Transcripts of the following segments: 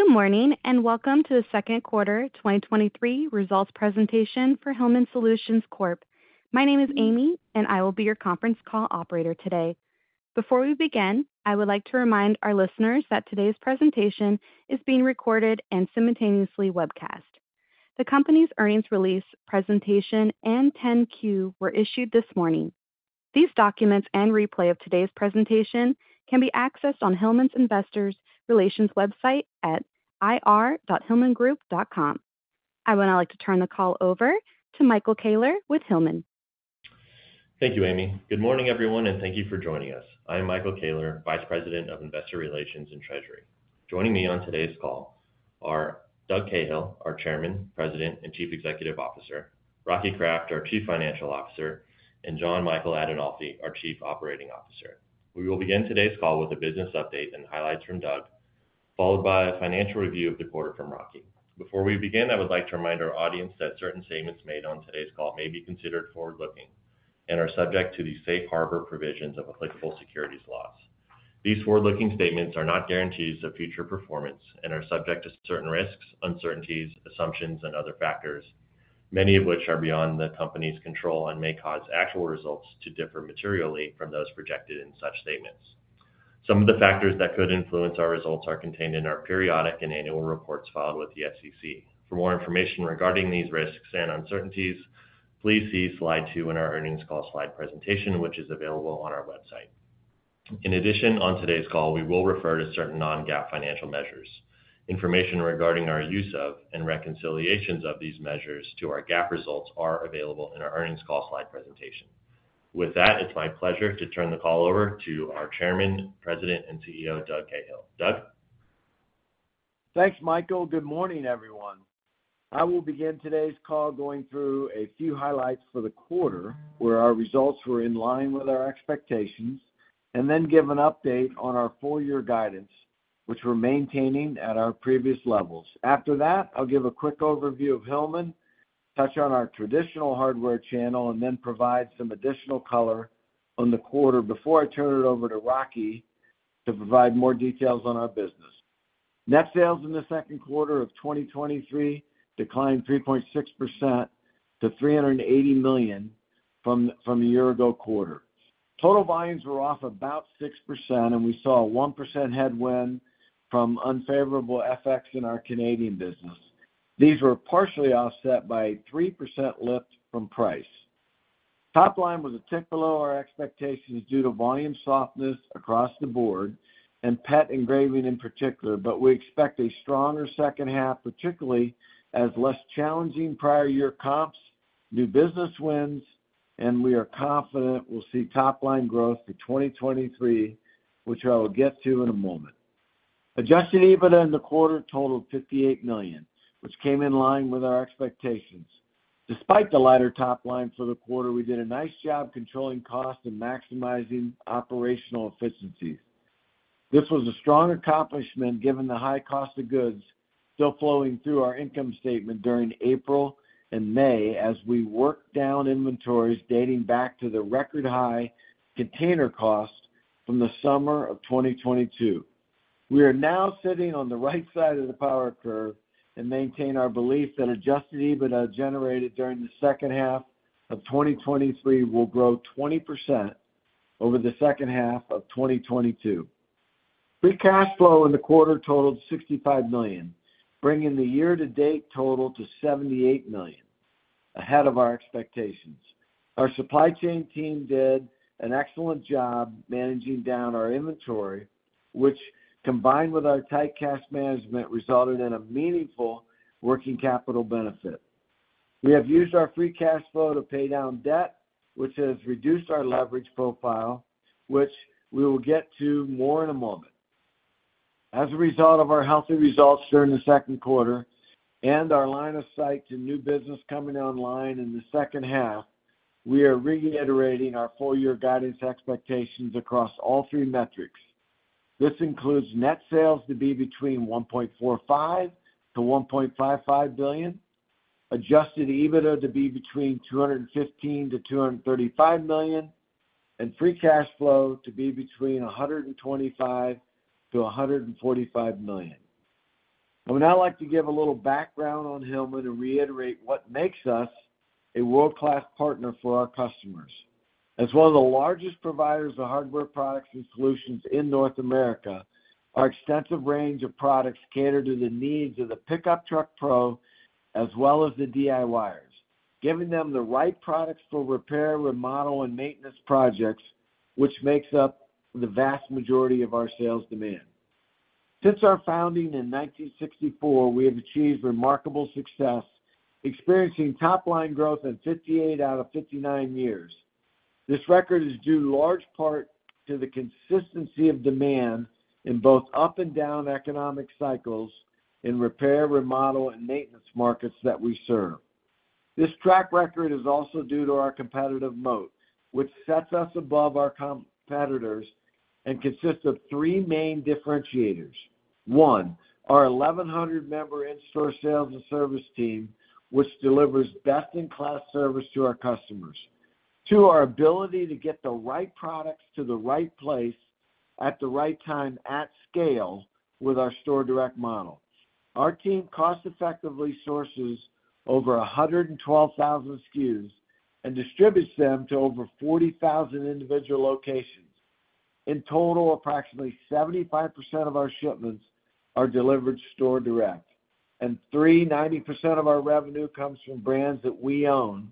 Good morning, welcome to the second quarter 2023 results presentation for Hillman Solutions Corp. My name is Amy, I will be your conference call operator today. Before we begin, I would like to remind our listeners that today's presentation is being recorded and simultaneously webcast. The company's earnings release presentation and 10-Q were issued this morning. These documents and replay of today's presentation can be accessed on Hillman's Investor Relations website at ir.hillmangroup.com. I would now like to turn the call over to Michael Koehler with Hillman. Thank you, Amy. Good morning, everyone, and thank you for joining us. I am Michael Koehler, Vice President of Investor Relations and Treasury. Joining me on today's call are Doug Cahill, our Chairman, President, and Chief Executive Officer, Rocky Kraft, our Chief Financial Officer, and Jon-Michael Adinolfi, our Chief Operating Officer. We will begin today's call with a business update and highlights from Doug, followed by a financial review of the quarter from Rocky. Before we begin, I would like to remind our audience that certain statements made on today's call may be considered forward-looking and are subject to the safe harbor provisions of applicable securities laws. These forward-looking statements are not guarantees of future performance and are subject to certain risks, uncertainties, assumptions, and other factors, many of which are beyond the company's control and may cause actual results to differ materially from those projected in such statements. Some of the factors that could influence our results are contained in our periodic and annual reports filed with the SEC. For more information regarding these risks and uncertainties, please see slide two in our earnings call slide presentation, which is available on our website. In addition, on today's call, we will refer to certain non-GAAP financial measures. Information regarding our use of and reconciliations of these measures to our GAAP results are available in our earnings call slide presentation. With that, it's my pleasure to turn the call over to our Chairman, President, and CEO, Doug Cahill. Doug? Thanks, Michael. Good morning, everyone. I will begin today's call going through a few highlights for the quarter, where our results were in line with our expectations, and then give an update on our full-year guidance, which we're maintaining at our previous levels. After that, I'll give a quick overview of Hillman, touch on our traditional hardware channel, and then provide some additional color on the quarter before I turn it over to Rocky to provide more details on our business. Net sales in the second quarter of 2023 declined 3.6% to $380 million from the year ago quarter. Total volumes were off about 6%, we saw a 1% headwind from unfavorable FX in our Canadian business. These were partially offset by a 3% lift from price. Top line was a tick below our expectations due to volume softness across the board and pet engraving in particular, but we expect a stronger second half, particularly as less challenging prior year comps, new business wins, and we are confident we'll see top line growth for 2023, which I will get to in a moment. Adjusted EBITDA in the quarter totaled $58 million, which came in line with our expectations. Despite the lighter top line for the quarter, we did a nice job controlling costs and maximizing operational efficiencies. This was a strong accomplishment, given the high cost of goods still flowing through our income statement during April and May as we worked down inventories dating back to the record-high container costs from the summer of 2022. We are now sitting on the right side of the power curve and maintain our belief that Adjusted EBITDA generated during the second half of 2023 will grow 20% over the second half of 2022. Free cash flow in the quarter totaled $65 million, bringing the year-to-date total to $78 million, ahead of our expectations. Our supply chain team did an excellent job managing down our inventory, which, combined with our tight cash management, resulted in a meaningful working capital benefit. We have used our free cash flow to pay down debt, which has reduced our leverage profile, which we will get to more in a moment. As a result of our healthy results during the second quarter and our line of sight to new business coming online in the second half, we are reiterating our full year guidance expectations across all three metrics. This includes net sales to be between $1.45 billion-$1.55 billion, Adjusted EBITDA to be between $215 million-$235 million, and free cash flow to be between $125 million-$145 million. I would now like to give a little background on Hillman and reiterate what makes us a world-class partner for our customers. As one of the largest providers of hardware products and solutions in North America, our extensive range of products cater to the needs of the pickup truck pro as well as the DIYers, giving them the right products for repair, remodel, and maintenance projects, which makes up the vast majority of our sales demand. Since our founding in 1964, we have achieved remarkable success, experiencing top-line growth in 58 out of 59 years. This record is due in large part to the consistency of demand in both up and down economic cycles in repair, remodel, and maintenance markets that we serve. This track record is also due to our competitive moat, which sets us above our competitors and consists of three main differentiators. One, our 1,100-member in-store sales and service team, which delivers best-in-class service to our customers.... Two, our ability to get the right products to the right place at the right time, at scale, with our store direct model. Our team cost-effectively sources over 112,000 SKUs and distributes them to over 40,000 individual locations. In total, approximately 75% of our shipments are delivered store direct, 90% of our revenue comes from brands that we own,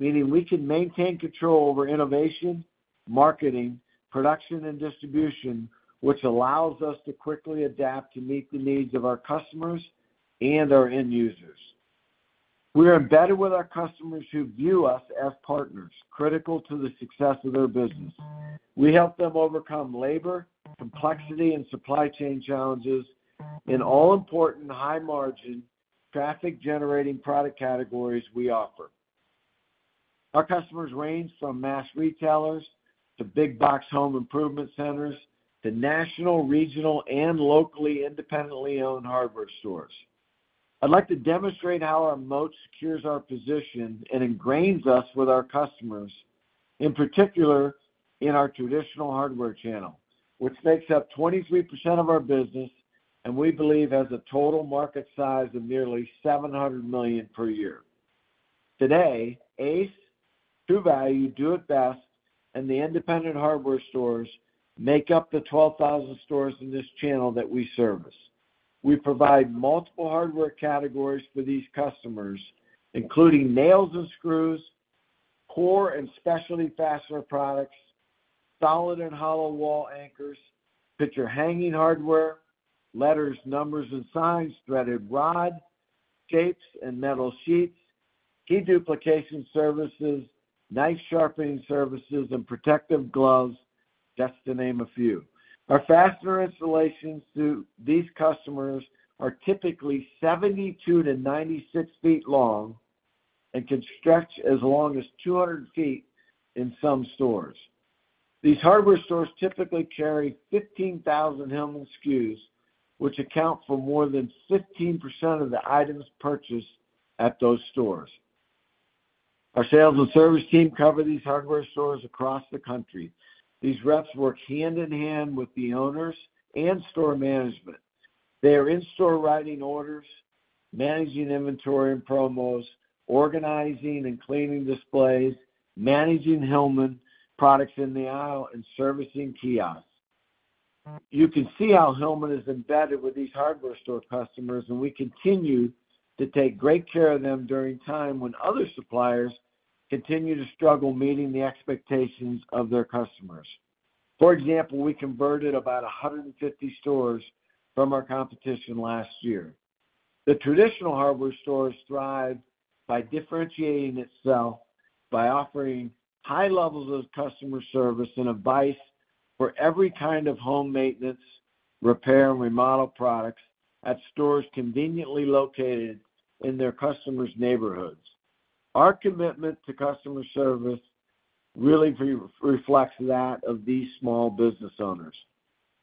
meaning we can maintain control over innovation, marketing, production, and distribution, which allows us to quickly adapt to meet the needs of our customers and our end users. We are embedded with our customers, who view us as partners, critical to the success of their business. We help them overcome labor, complexity, and supply chain challenges in all-important, high-margin, traffic-generating product categories we offer. Our customers range from mass retailers to big box home improvement centers to national, regional, and locally independently owned hardware stores. I'd like to demonstrate how our moat secures our position and ingrains us with our customers, in particular, in our traditional hardware channel, which makes up 23% of our business, and we believe has a total market size of nearly $700 million per year. Today, Ace, True Value, Do it Best, and the independent hardware stores make up the 12,000 stores in this channel that we service. We provide multiple hardware categories for these customers, including nails and screws, core and specialty fastener products, solid and hollow wall anchors, picture hanging hardware, letters, numbers and signs, threaded rod, shapes and metal sheets, key duplication services, knife sharpening services, and protective gloves, just to name a few. Our fastener installations to these customers are typically 72-96 feet long and can stretch as long as 200 feet in some stores. These hardware stores typically carry 15,000 Hillman SKUs, which account for more than 15% of the items purchased at those stores. Our sales and service team cover these hardware stores across the country. These reps work hand-in-hand with the owners and store management. They are in-store, writing orders, managing inventory and promos, organizing and cleaning displays, managing Hillman products in the aisle, and servicing kiosks. You can see how Hillman is embedded with these hardware store customers, and we continue to take great care of them during time when other suppliers continue to struggle meeting the expectations of their customers. For example, we converted about 150 stores from our competition last year. The traditional hardware stores thrive by differentiating itself, by offering high levels of customer service and advice for every kind of home maintenance, repair and remodel products at stores conveniently located in their customers' neighborhoods. Our commitment to customer service really re-reflects that of these small business owners.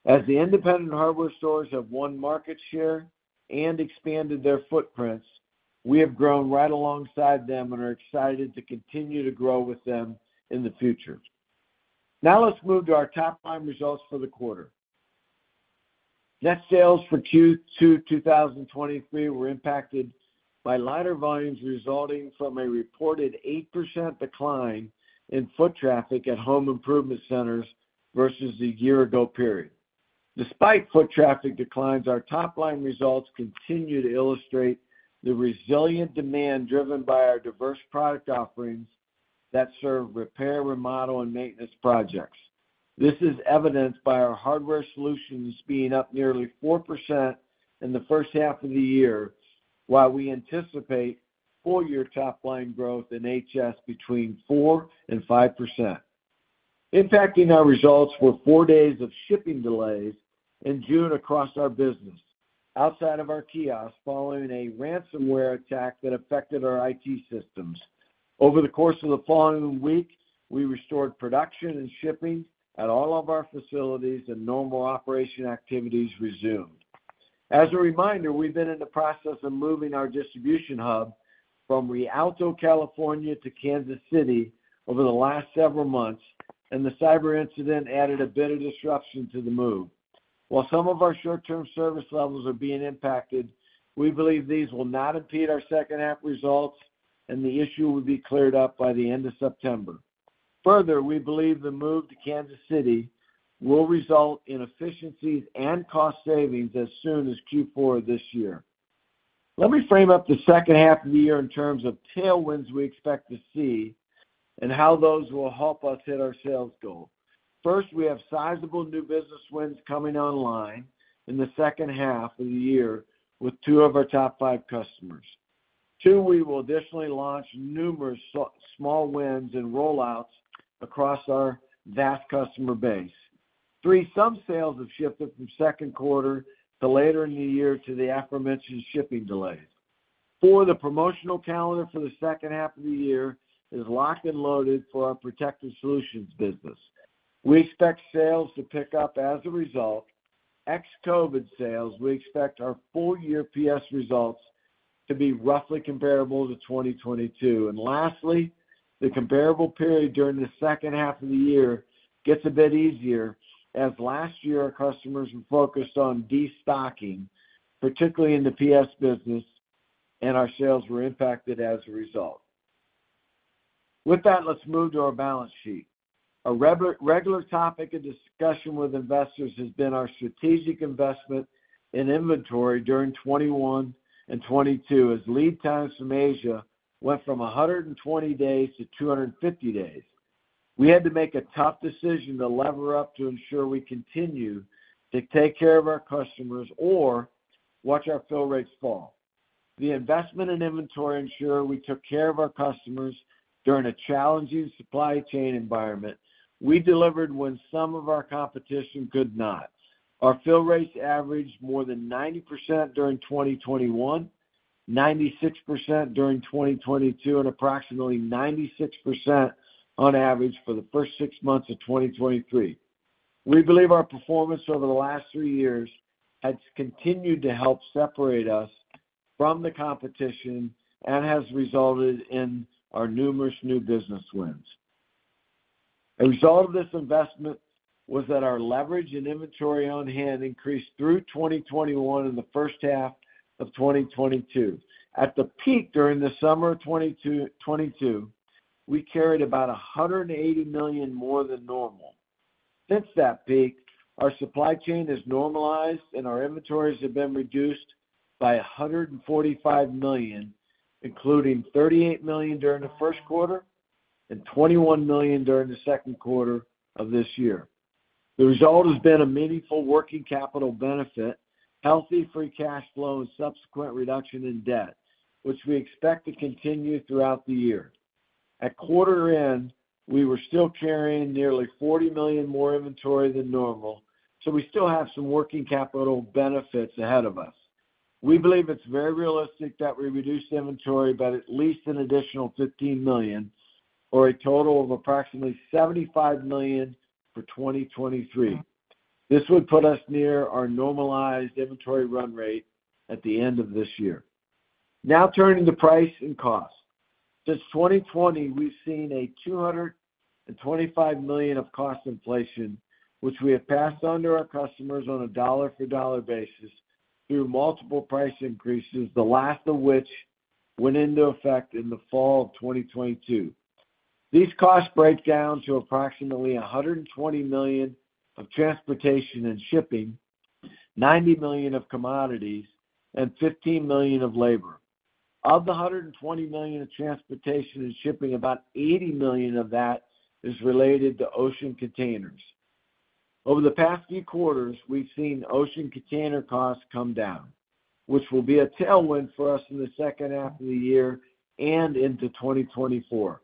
The independent hardware stores have won market share and expanded their footprints, we have grown right alongside them and are excited to continue to grow with them in the future. Let's move to our top-line results for the quarter. Net sales for Q2, 2023, were impacted by lighter volumes, resulting from a reported 8% decline in foot traffic at home improvement centers versus the year ago period. Despite foot traffic declines, our top-line results continue to illustrate the resilient demand, driven by our diverse product offerings that serve repair, remodel, and maintenance projects. This is evidenced by our Hardware Solutions being up nearly 4% in the first half of the year, while we anticipate full-year top line growth in HS between 4% and 5%. Impacting our results were 4 days of shipping delays in June across our business, outside of our kiosks, following a ransomware attack that affected our IT systems. Over the course of the following week, we restored production and shipping at all of our facilities, and normal operation activities resumed. As a reminder, we've been in the process of moving our distribution hub from Rialto, California, to Kansas City over the last several months, and the cyber incident added a bit of disruption to the move. While some of our short-term service levels are being impacted, we believe these will not impede our second half results, and the issue will be cleared up by the end of September. Further, we believe the move to Kansas City will result in efficiencies and cost savings as soon as Q4 of this year. Let me frame up the second half of the year in terms of tailwinds we expect to see and how those will help us hit our sales goal. First, we have sizable new business wins coming online in the second half of the year with two of our top five customers. Two, we will additionally launch numerous small wins and rollouts across our vast customer base. Three, some sales have shifted from second quarter to later in the year due to the aforementioned shipping delays. Four, the promotional calendar for the second half of the year is locked and loaded for our Protective Solutions business. We expect sales to pick up as a result. Ex-Covid sales, we expect our full year PS results... to be roughly comparable to 2022. Lastly, the comparable period during the second half of the year gets a bit easier, as last year, our customers were focused on destocking, particularly in the PS business, and our sales were impacted as a result. With that, let's move to our balance sheet. A regular topic of discussion with investors has been our strategic investment in inventory during 2021 and 2022, as lead times from Asia went from 120 days to 250 days. We had to make a tough decision to lever up to ensure we continue to take care of our customers or watch our fill rates fall. The investment in inventory ensured we took care of our customers during a challenging supply chain environment. We delivered when some of our competition could not. Our fill rates averaged more than 90% during 2021, 96% during 2022, and approximately 96% on average for the first six months of 2023. We believe our performance over the last 3 years has continued to help separate us from the competition and has resulted in our numerous new business wins. A result of this investment was that our leverage and inventory on hand increased through 2021 and the first half of 2022. At the peak during the summer of 2022, we carried about $180 million more than normal. Since that peak, our supply chain has normalized, and our inventories have been reduced by $145 million, including $38 million during the first quarter and $21 million during the second quarter of this year. The result has been a meaningful working capital benefit, healthy free cash flow, and subsequent reduction in debt, which we expect to continue throughout the year. At quarter end, we were still carrying nearly $40 million more inventory than normal. We still have some working capital benefits ahead of us. We believe it's very realistic that we reduce the inventory by at least an additional $15 million, or a total of approximately $75 million for 2023. This would put us near our normalized inventory run rate at the end of this year. Turning to price and cost. Since 2020, we've seen a $225 million of cost inflation, which we have passed on to our customers on a dollar-for-dollar basis through multiple price increases, the last of which went into effect in the fall of 2022. These costs break down to approximately $120 million of transportation and shipping, $90 million of commodities, and $15 million of labor. Of the $120 million of transportation and shipping, about $80 million of that is related to ocean containers. Over the past few quarters, we've seen ocean container costs come down, which will be a tailwind for us in the second half of the year and into 2024.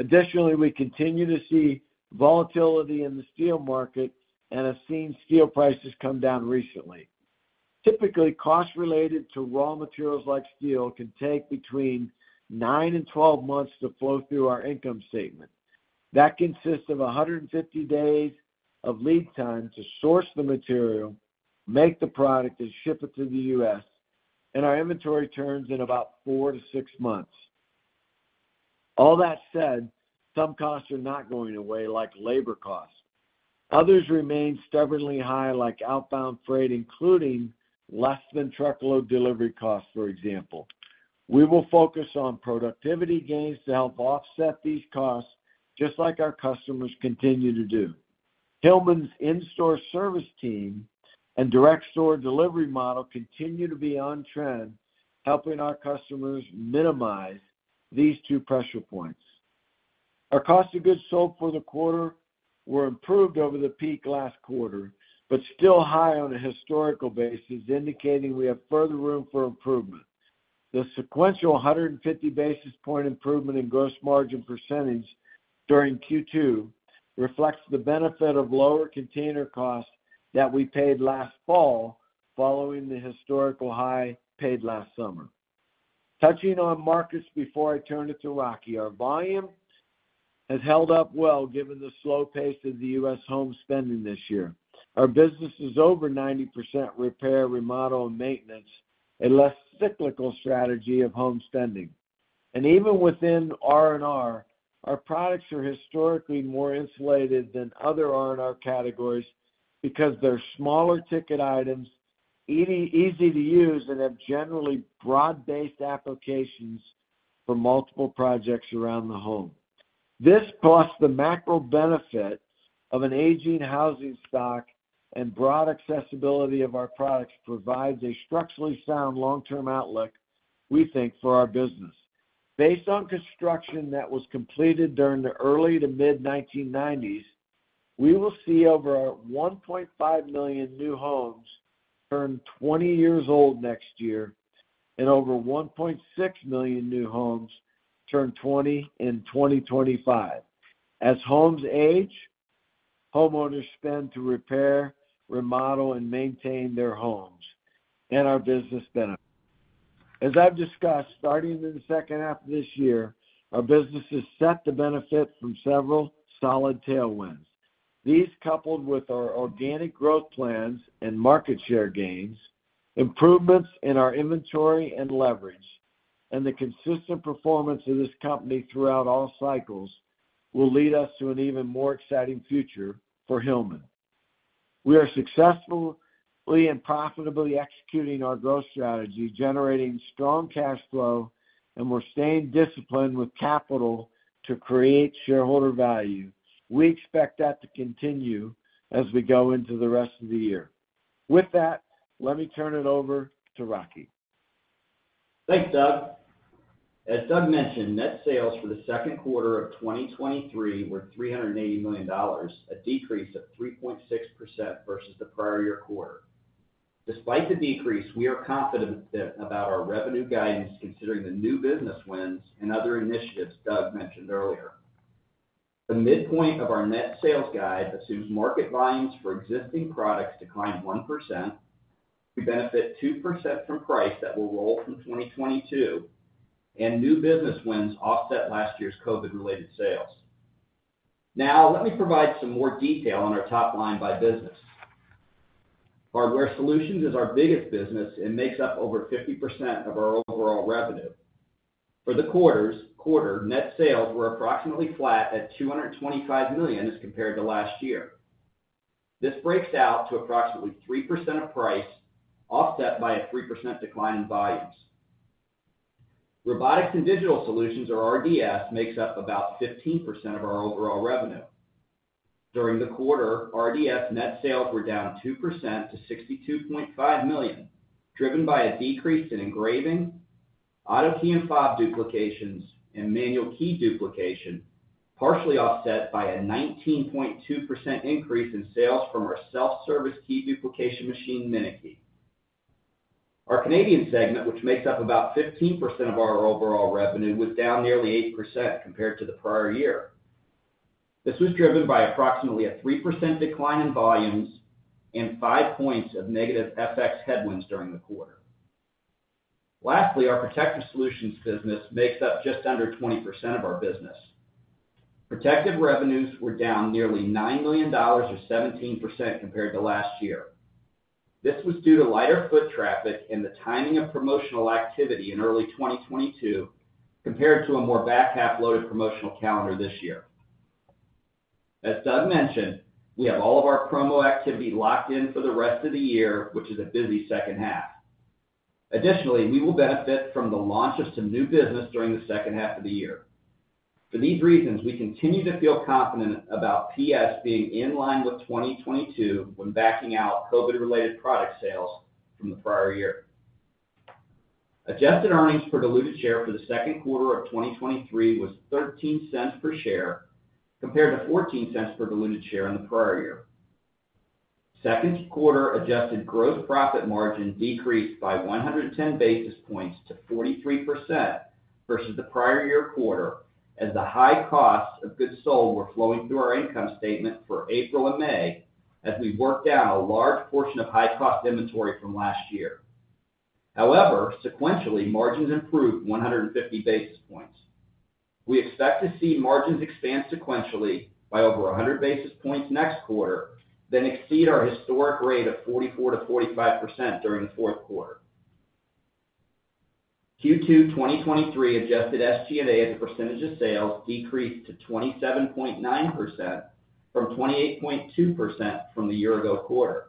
Additionally, we continue to see volatility in the steel market and have seen steel prices come down recently. Typically, costs related to raw materials like steel can take between 9-12 months to flow through our income statement. That consists of 150 days of lead time to source the material, make the product, and ship it to the U.S., and our inventory turns in about 4-6 months. All that said, some costs are not going away, like labor costs. Others remain stubbornly high, like outbound freight, including less-than-truckload delivery costs, for example. We will focus on productivity gains to help offset these costs, just like our customers continue to do. Hillman's in-store service team and direct store delivery model continue to be on trend, helping our customers minimize these two pressure points. Our cost of goods sold for the quarter were improved over the peak last quarter, but still high on a historical basis, indicating we have further room for improvement. The sequential 150 basis point improvement in gross margin % during Q2 reflects the benefit of lower container costs that we paid last fall, following the historical high paid last summer. Touching on markets before I turn it to Rocky, our volume has held up well, given the slow pace of the U.S. home spending this year. Our business is over 90% repair, remodel, and maintenance, a less cyclical strategy of home spending. Even within R&R, our products are historically more insulated than other R&R categories because they're smaller ticket items, easy, easy to use, and have generally broad-based applications for multiple projects around the home. This, plus the macro benefits of an aging housing stock and broad accessibility of our products, provides a structurally sound long-term outlook, we think, for our business. Based on construction that was completed during the early to mid-1990s, we will see over 1.5 million new homes turn 20 years old next year, and over 1.6 million new homes turn 20 in 2025. As homes age, homeowners spend to repair, remodel, and maintain their homes, and our business benefits. As I've discussed, starting in the second half of this year, our business is set to benefit from several solid tailwinds. These, coupled with our organic growth plans and market share gains, improvements in our inventory and leverage, and the consistent performance of this company throughout all cycles, will lead us to an even more exciting future for Hillman. We are successfully and profitably executing our growth strategy, generating strong cash flow, and we're staying disciplined with capital to create shareholder value. We expect that to continue as we go into the rest of the year. With that, let me turn it over to Rocky. Thanks, Doug. As Doug mentioned, net sales for the second quarter of 2023 were $380 million, a decrease of 3.6% versus the prior year quarter. Despite the decrease, we are confident about our revenue guidance, considering the new business wins and other initiatives Doug mentioned earlier. The midpoint of our net sales guide assumes market volumes for existing products to climb 1%. We benefit 2% from price that will roll from 2022, and new business wins offset last year's COVID-related sales. Now, let me provide some more detail on our top line by business. Hardware Solutions is our biggest business and makes up over 50% of our overall revenue. For the quarter, net sales were approximately flat at $225 million as compared to last year. This breaks out to approximately 3% of price, offset by a 3% decline in volumes. Robotics and Digital Solutions, or RDS, makes up about 15% of our overall revenue. During the quarter, RDS net sales were down 2% to $62.5 million, driven by a decrease in engraving, auto key and fob duplications, and manual key duplication, partially offset by a 19.2% increase in sales from our self-service key duplication machine, MinuteKey. Our Canadian segment, which makes up about 15% of our overall revenue, was down nearly 8% compared to the prior year. This was driven by approximately a 3% decline in volumes and five points of negative FX headwinds during the quarter. Lastly, our Protective Solutions business makes up just under 20% of our business. Protective revenues were down nearly $90 million, or 17%, compared to last year. This was due to lighter foot traffic and the timing of promotional activity in early 2022, compared to a more back-half loaded promotional calendar this year. As Doug mentioned, we have all of our promo activity locked in for the rest of the year, which is a busy second half. Additionally, we will benefit from the launch of some new business during the second half of the year. For these reasons, we continue to feel confident about PS being in line with 2022 when backing out COVID-related product sales from the prior year. Adjusted earnings per diluted share for the second quarter of 2023 was $0.13 per share, compared to $0.14 per diluted share in the prior year. Second quarter adjusted gross profit margin decreased by 110 basis points to 43% versus the prior year quarter, as the high costs of goods sold were flowing through our income statement for April and May, as we worked down a large portion of high-cost inventory from last year. However, sequentially, margins improved 150 basis points. We expect to see margins expand sequentially by over 100 basis points next quarter, then exceed our historic rate of 44%-45% during the fourth quarter. Q2 2023 adjusted SG&A as a percentage of sales decreased to 27.9% from 28.2% from the year ago quarter.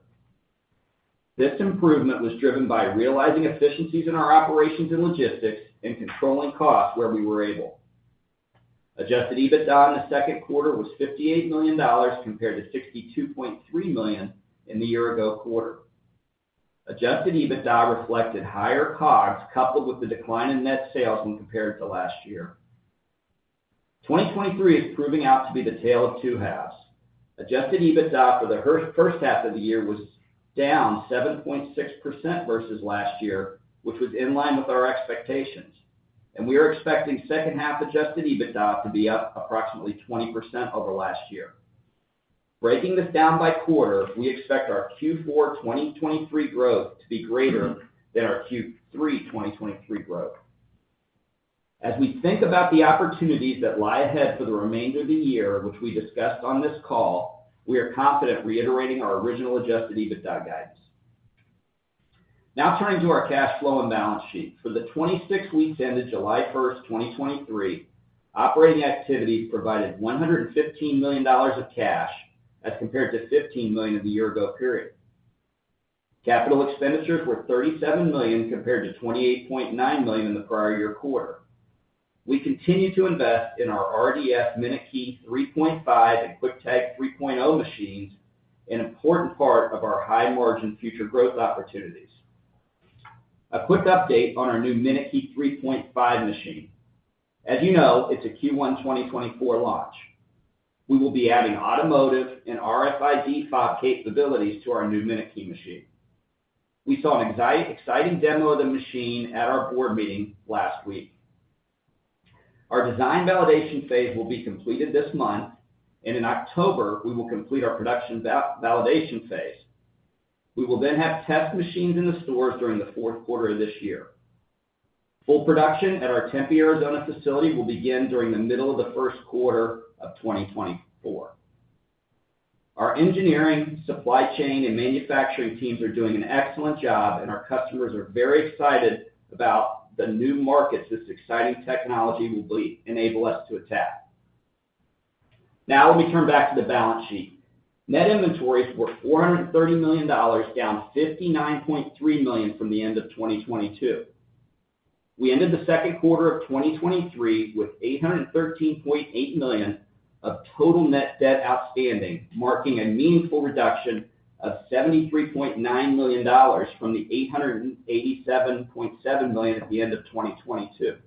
This improvement was driven by realizing efficiencies in our operations and logistics and controlling costs where we were able. Adjusted EBITDA in the second quarter was $58 million, compared to $62.3 million in the year-ago quarter. Adjusted EBITDA reflected higher COGS, coupled with the decline in net sales when compared to last year. 2023 is proving out to be the tale of two halves. Adjusted EBITDA for the first half of the year was down 7.6% versus last year, which was in line with our expectations. We are expecting second half Adjusted EBITDA to be up approximately 20% over last year. Breaking this down by quarter, we expect our Q4 2023 growth to be greater than our Q3 2023 growth. As we think about the opportunities that lie ahead for the remainder of the year, which we discussed on this call, we are confident reiterating our original Adjusted EBITDA guidance. Turning to our cash flow and balance sheet. For the 26 weeks ended July 1, 2023, operating activities provided $115 million of cash as compared to $15 million in the year-ago period. Capital expenditures were $37 million, compared to $28.9 million in the prior year quarter. We continue to invest in our RDS MinuteKey 3.5 and Quick-Tag 3.0 machines, an important part of our high-margin future growth opportunities. A quick update on our new MinuteKey 3.5 machine. As you know, it's a Q1 2024 launch. We will be adding automotive and RFID fob capabilities to our new MinuteKey machine. We saw an exciting demo of the machine at our board meeting last week. Our design validation phase will be completed this month, and in October, we will complete our production validation phase. We will have test machines in the stores during the fourth quarter of this year. Full production at our Tempe, Arizona facility will begin during the middle of the first quarter of 2024. Our engineering, supply chain, and manufacturing teams are doing an excellent job, our customers are very excited about the new markets this exciting technology enable us to attack. Let me turn back to the balance sheet. Net inventories were $430 million, down $59.3 million from the end of 2022. We ended the second quarter of 2023 with $813.8 million of total net debt outstanding, marking a meaningful reduction of $73.9 million from the $887.7 million at the end of 2022.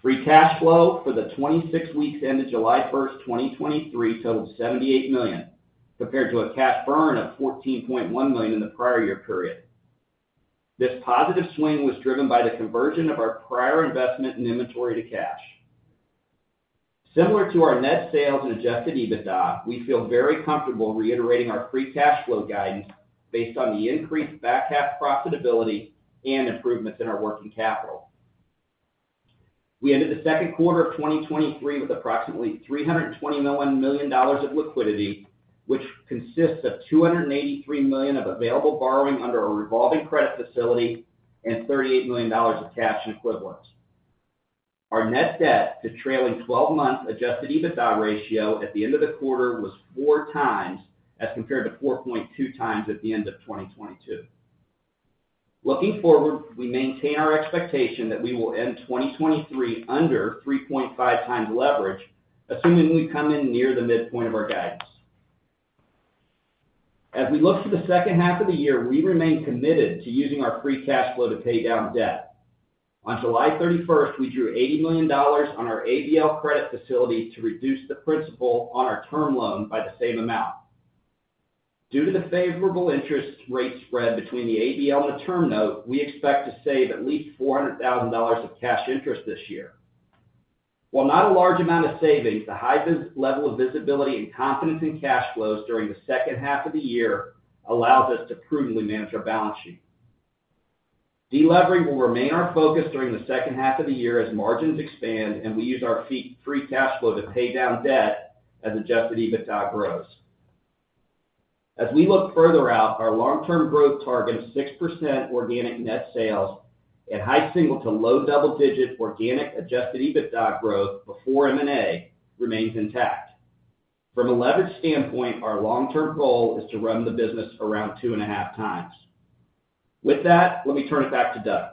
Free cash flow for the 26 weeks ended July 1, 2023, totaled $78 million, compared to a cash burn of $14.1 million in the prior year period. This positive swing was driven by the conversion of our prior investment in inventory to cash. Similar to our net sales and Adjusted EBITDA, we feel very comfortable reiterating our free cash flow guidance based on the increased back half profitability and improvements in our working capital. We ended the second quarter of 2023 with approximately $320 million of liquidity, which consists of $283 million of available borrowing under a revolving credit facility and $38 million of cash equivalents. Our net debt to trailing twelve-month Adjusted EBITDA ratio at the end of the quarter was 4x, as compared to 4.2x at the end of 2022. Looking forward, we maintain our expectation that we will end 2023 under 3.5x leverage, assuming we come in near the midpoint of our guidance. As we look to the second half of the year, we remain committed to using our free cash flow to pay down debt. On July 31st, we drew $80 million on our ABL credit facility to reduce the principal on our term loan by the same amount. Due to the favorable interest rate spread between the ABL and the term note, we expect to save at least $400,000 of cash interest this year. While not a large amount of savings, the high level of visibility and confidence in cash flows during the second half of the year allows us to prudently manage our balance sheet. Delevering will remain our focus during the second half of the year as margins expand. We use our free cash flow to pay down debt as Adjusted EBITDA grows. As we look further out, our long-term growth target of 6% organic net sales and high single-digit to low double-digit organic Adjusted EBITDA growth before M&A remains intact. From a leverage standpoint, our long-term goal is to run the business around 2.5 times. With that, let me turn it back to Doug.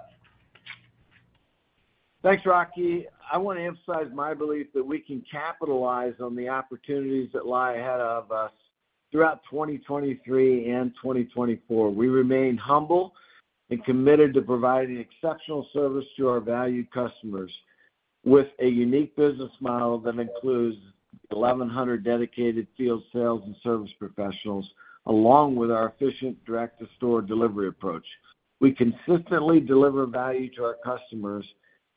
Thanks, Rocky. I want to emphasize my belief that we can capitalize on the opportunities that lie ahead of us throughout 2023 and 2024. We remain humble and committed to providing exceptional service to our valued customers, with a unique business model that includes 1,100 dedicated field sales and service professionals, along with our efficient direct-to-store delivery approach. We consistently deliver value to our customers,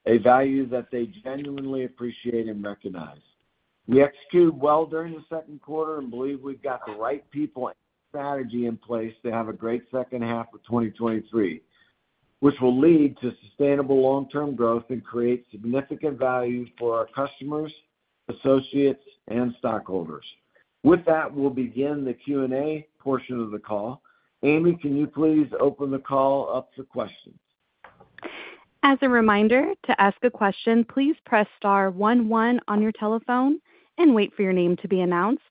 a value that they genuinely appreciate and recognize. We executed well during the second quarter and believe we've got the right people and strategy in place to have a great second half of 2023, which will lead to sustainable long-term growth and create significant value for our customers, associates, and stockholders. With that, we'll begin the Q&A portion of the call. Amy, can you please open the call up to questions? As a reminder, to ask a question, please press star one, one on your telephone and wait for your name to be announced.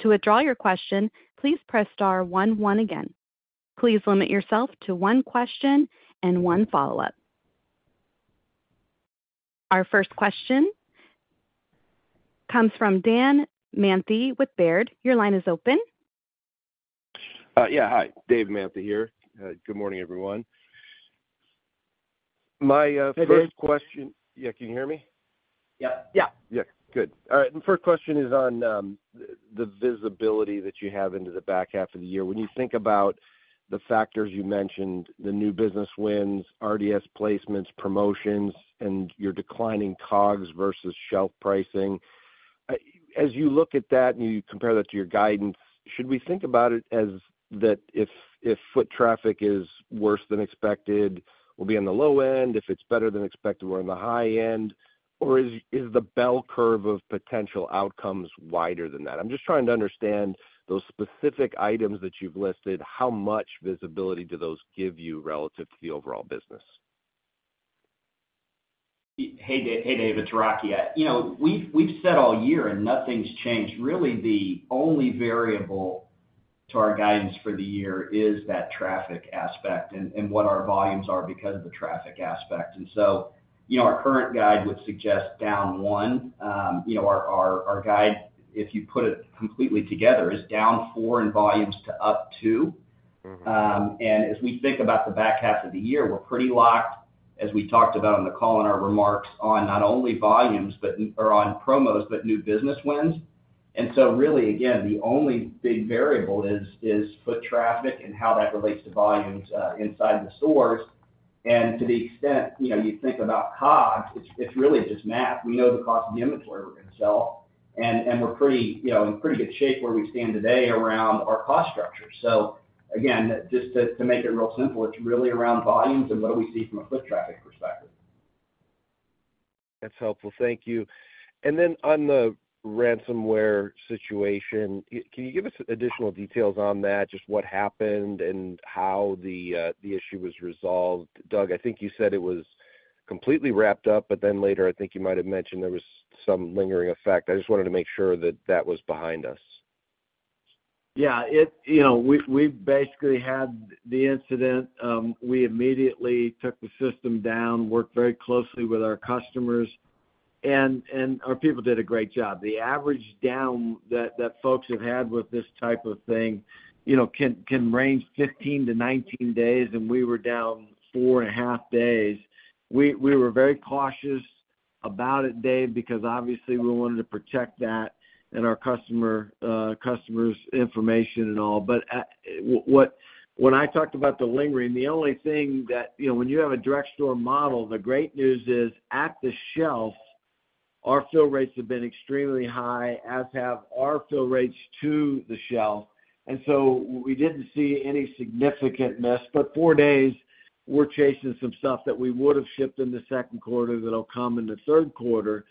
To withdraw your question, please press star one, one again. Please limit yourself to one question and one follow-up. Our first question comes from Dan Manthey with Baird. Your line is open. Yeah. Hi, Dave Manthey here. Good morning, everyone. My first question. Hey, Dave. Yeah, can you hear me? Yep. Yeah. Yeah, good. All right, the first question is on, the, the visibility that you have into the back half of the year. When you think about the factors you mentioned, the new business wins, RDS placements, promotions, and your declining COGS versus shelf pricing, I as you look at that and you compare that to your guidance, should we think about it as that if, if foot traffic is worse than expected, we'll be on the low end, if it's better than expected, we're on the high end, or is, is the bell curve of potential outcomes wider than that? I'm just trying to understand those specific items that you've listed, how much visibility do those give you relative to the overall business? Hey, Dave, it's Rocky. you know, we've said all year, nothing's changed. Really, the only variable to our guidance for the year is that traffic aspect and what our volumes are because of the traffic aspect. you know, our current guide would suggest down 1. you know, our, our, our guide, if you put it completely together, is down 4 in volumes to up 2. as we think about the back half of the year, we're pretty locked, as we talked about on the call in our remarks, on not only volumes, but or on promos, but new business wins. Really, again, the only big variable is foot traffic and how that relates to volumes inside the stores. To the extent, you know, you think about COGS, it's really just math. We know the cost of the inventory we're gonna sell, and we're pretty, you know, in pretty good shape where we stand today around our cost structure. Again, just to make it real simple, it's really around volumes and what do we see from a foot traffic perspective. That's helpful. Thank you. Then on the ransomware situation, can you give us additional details on that? Just what happened and how the issue was resolved? Doug, I think you said it was completely wrapped up, but then later, I think you might have mentioned there was some lingering effect. I just wanted to make sure that that was behind us. Yeah, you know, we, we basically had the incident. We immediately took the system down, worked very closely with our customers, and, and our people did a great job. The average down that, that folks have had with this type of thing, you know, can, can range 15-19 days. We were down 4.5 days. We, we were very cautious about it, Dave, because obviously we wanted to protect that and our customer, customer's information and all. When I talked about the lingering, the only thing that. You know, when you have a direct store model, the great news is, at the shelf, our fill rates have been extremely high, as have our fill rates to the shelf. We didn't see any significant miss. Four days, we're chasing some stuff that we would have shipped in the second quarter that'll come in the third quarter.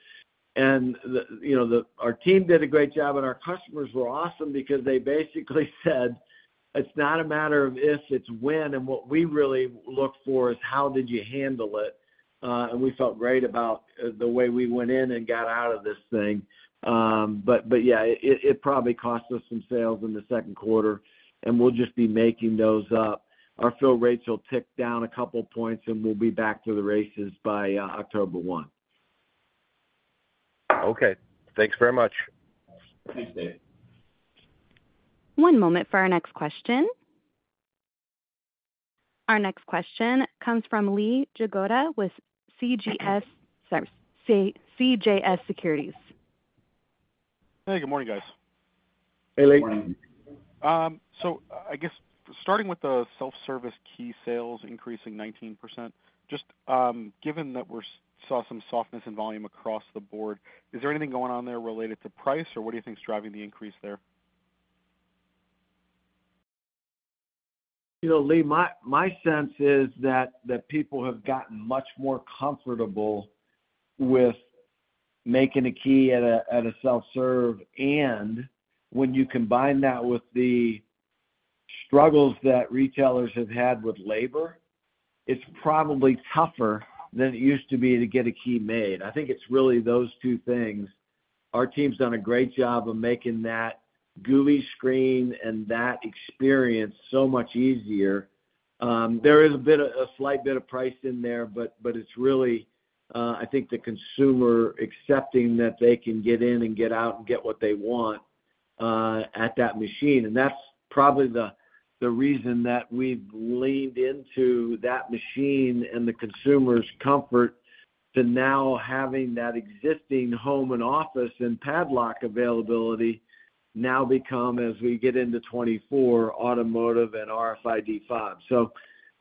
The, you know, the, our team did a great job, and our customers were awesome because they basically said, "It's not a matter of if, it's when, and what we really look for is how did you handle it?" We felt great about the way we went in and got out of this thing. Yeah, it, it probably cost us some sales in the second quarter, and we'll just be making those up. Our fill rates will tick down a couple points, and we'll be back to the races by October 1. Okay. Thanks very much. Thanks, Dave. One moment for our next question. Our next question comes from Lee Jagoda with CGS, sorry, CJS Securities. Hey, good morning, guys. Hey, Lee. Good morning. I guess starting with the self-service key sales increasing 19%, just given that saw some softness in volume across the board, is there anything going on there related to price, or what do you think is driving the increase there? You know, Lee, my, my sense is that, that people have gotten much more comfortable with making a key at a, at a self-serve. When you combine that with the struggles that retailers have had with labor, it's probably tougher than it used to be to get a key made. I think it's really those two things. Our team's done a great job of making that GUI screen and that experience so much easier. There is a bit, a slight bit of price in there, but, but it's really, I think the consumer accepting that they can get in and get out and get what they want at that machine. That's probably the reason that we've leaned into that machine and the consumer's comfort to now having that existing home and office and padlock availability now become, as we get into 2024, automotive and RFID fob.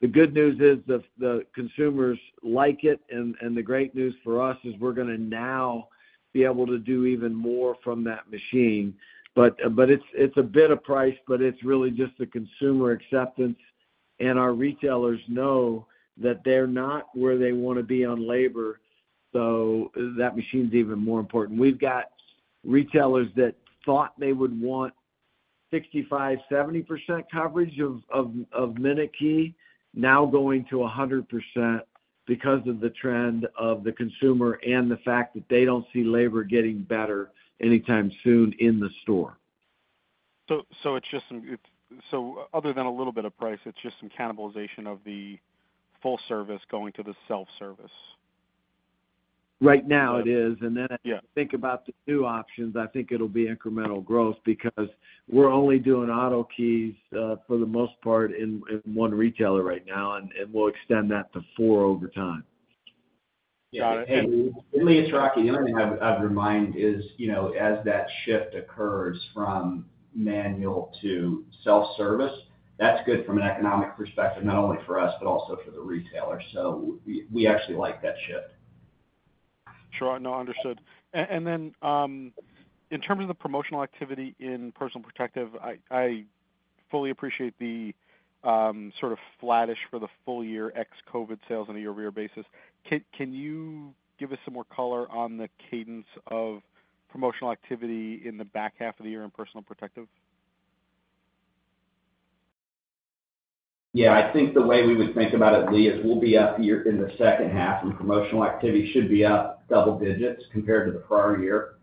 The good news is the consumers like it, and the great news for us is we're going to now be able to do even more from that machine. It's a bit of price, but it's really just the consumer acceptance, and our retailers know that they're not where they want to be on labor, so that machine's even more important. We've got retailers that thought they would want 65%-70% coverage of MinuteKey now going to 100% because of the trend of the consumer and the fact that they don't see labor getting better anytime soon in the store. Other than a little bit of price, it's just some cannibalization of the full service going to the self-service? Right now it is. Yeah. Then, as you think about the new options, I think it'll be incremental growth because we're only doing auto keys, for the most part, in one retailer right now, and we'll extend that to four over time. Got it. Lee, it's Rocky. The other thing I'd, I'd remind is, you know, as that shift occurs from manual to self-service, that's good from an economic perspective, not only for us, but also for the retailer. We, we actually like that shift. Sure. No, understood. In terms of the promotional activity in personal protective, I, I fully appreciate the sort of flattish for the full year ex-Covid sales on a year-over-year basis. Can you give us some more color on the cadence of promotional activity in the back half of the year in personal protective? Yeah, I think the way we would think about it, Lee, is we'll be up year in the second half, promotional activity should be up double digits compared to the prior year.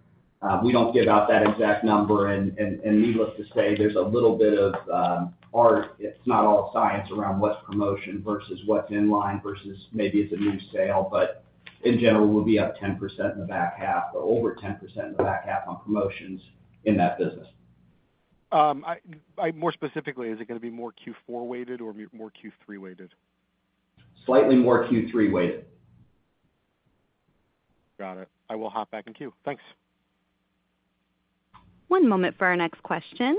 We don't give out that exact number, needless to say, there's a little bit of art, it's not all science around what's promotion versus what's in line versus maybe it's a new sale. In general, we'll be up 10% in the back half, or over 10% in the back half on promotions in that business. More specifically, is it going to be more Q4 weighted or more Q3 weighted? Slightly more Q3 weighted. Got it. I will hop back in queue. Thanks. One moment for our next question.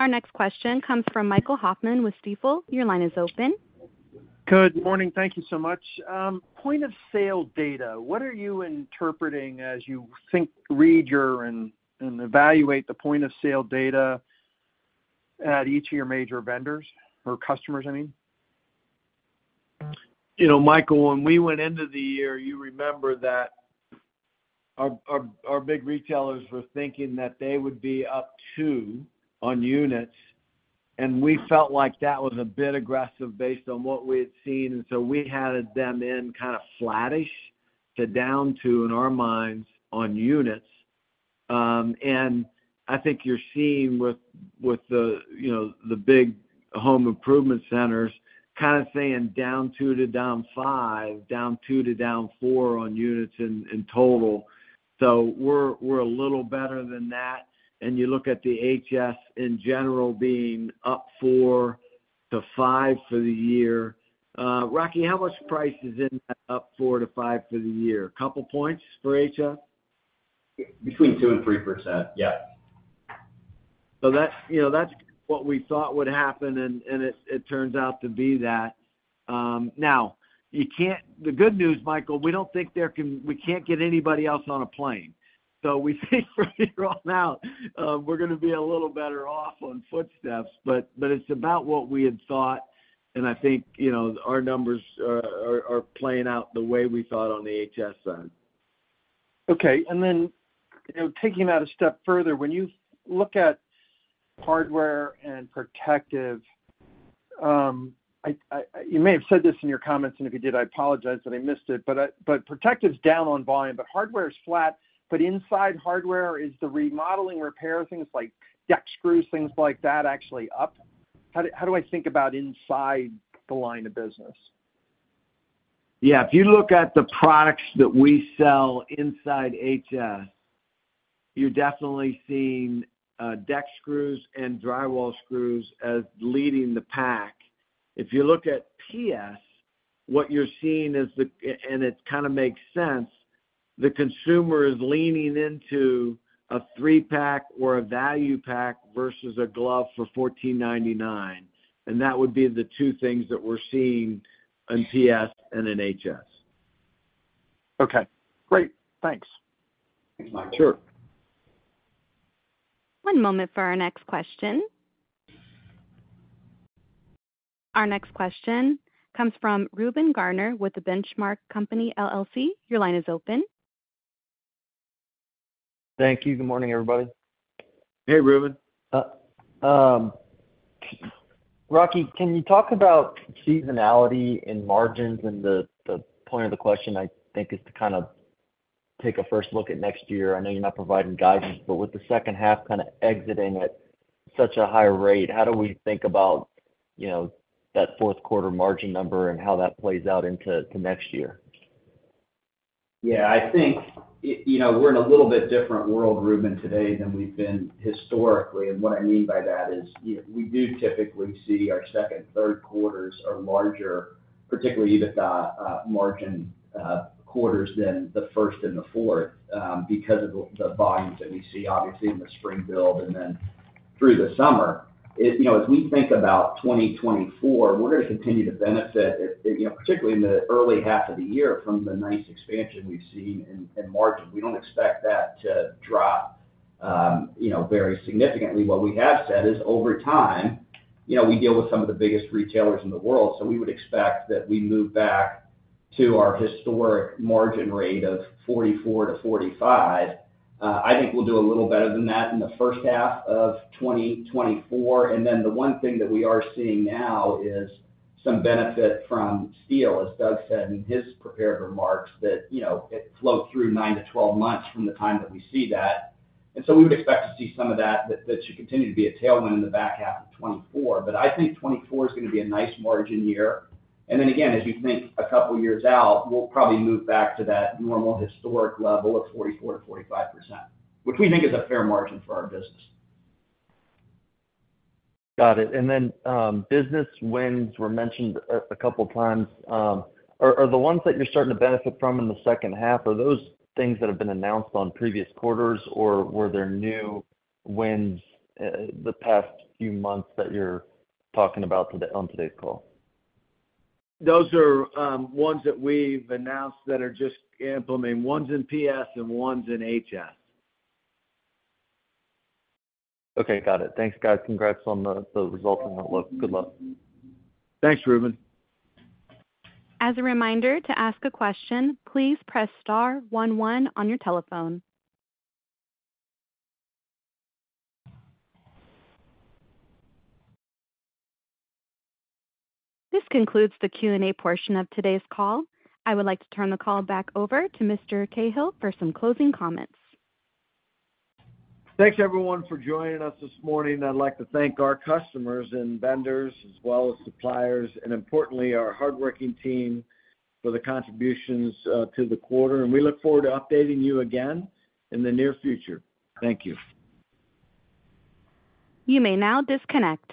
Our next question comes from Michael Hoffman with Stifel. Your line is open. Good morning. Thank you so much. Point of sale data, what are you interpreting as you think, read your, and, and evaluate the point of sale data at each of your major vendors or customers, I mean? You know, Michael, when we went into the year, you remember that our, our, our big retailers were thinking that they would be up two on units, and we felt like that was a bit aggressive based on what we had seen, and so we had them in kind of flattish to down two in our minds, on units. I think you're seeing with, with the, you know, the big home improvement centers, kind of saying down two to down five, down two to down four on units in, in total. We're, we're a little better than that. You look at the HS in general being up 4-5 for the year. Rocky, how much price is in that up 4-5 for the year? couple points for HS? Between 2 and 3%, yeah. That's, you know, that's what we thought would happen, and, and it, it turns out to be that. Now, you can't, the good news, Michael, we don't think there can, we can't get anybody else on a plane. We think from here on out, we're gonna be a little better off on footsteps, but, but it's about what we had thought, and I think, you know, our numbers are, are, are playing out the way we thought on the HS side. Okay. You know, taking that a step further, when you look at hardware and protective, I, you may have said this in your comments, and if you did, I apologize that I missed it, but protective's down on volume, but hardware is flat, but inside hardware is the remodeling, repair, things like deck screws, things like that, actually up? How do, how do I think about inside the line of business? Yeah, if you look at the products that we sell inside HS, you're definitely seeing deck screws and drywall screws as leading the pack. If you look at PS, what you're seeing is and it kind of makes sense, the consumer is leaning into a 3-pack or a value pack versus a glove for $14.99, and that would be the two things that we're seeing in PS and in HS. Okay, great. Thanks. Thanks, Michael. Sure. One moment for our next question. Our next question comes from Reuben Garner with the Benchmark Company, LLC. Your line is open. Thank you. Good morning, everybody. Hey, Reuben. Rocky, can you talk about seasonality in margins? The, the point of the question, I think, is to kind of take a first look at next year. I know you're not providing guidance, but with the second half kind of exiting at such a high rate, how do we think about, you know, that fourth quarter margin number and how that plays out into, to next year? Yeah, I think, you know, we're in a little bit different world, Reuben, today than we've been historically. What I mean by that is, you know, we do typically see our second, third quarters are larger, particularly the margin quarters than the first and the fourth, because of the volumes that we see, obviously, in the spring build and then through the summer. You know, as we think about 2024, we're going to continue to benefit, you know, particularly in the early half of the year, from the nice expansion we've seen in margin. We don't expect that to drop, you know, very significantly. What we have said is, over time, you know, we deal with some of the biggest retailers in the world, so we would expect that we move back to our historic margin rate of 44%-45%. I think we'll do a little better than that in the first half of 2024. The one thing that we are seeing now is some benefit from steel, as Doug said in his prepared remarks, that, you know, it flows through 9-12 months from the time that we see that. We would expect to see some of that, that, that should continue to be a tailwind in the back half of 2024. I think 2024 is going to be a nice margin year. Again, as you think a couple of years out, we'll probably move back to that normal historic level of 44%-45%, which we think is a fair margin for our business. Got it. Business wins were mentioned a couple times. Are the ones that you're starting to benefit from in the second half, are those things that have been announced on previous quarters, or were there new wins, the past few months that you're talking about today on today's call? Those are, ones that we've announced that are just implementing. One's in PS and one's in HS. Okay, got it. Thanks, guys. Congrats on the, the results, and good luck. Thanks, Reuben. As a reminder, to ask a question, please press star one one on your telephone. This concludes the Q&A portion of today's call. I would like to turn the call back over to Mr. Cahill for some closing comments. Thanks, everyone, for joining us this morning. I'd like to thank our customers and vendors, as well as suppliers, and importantly, our hardworking team for the contributions to the quarter. We look forward to updating you again in the near future. Thank you. You may now disconnect.